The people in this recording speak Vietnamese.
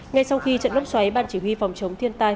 ngay sau khi trận lốc xoáy ban chỉ huy phòng chống thiên tai